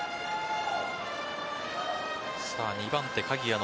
２番手・鍵谷の